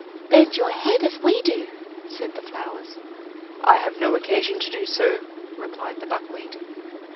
"Bend your head as we do," said the flowers. "I have no occasion to do so," replied the buckwheat.